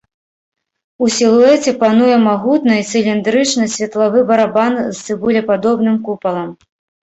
У сілуэце пануе магутны цыліндрычны светлавы барабан з цыбулепадобным купалам.